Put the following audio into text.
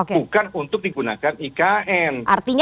bukan untuk digunakan ikn